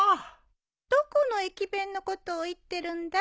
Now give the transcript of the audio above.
どこの駅弁のことを言ってるんだい？